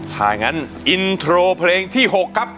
ถ้างั้นอินโทรเพลงที่๖ครับ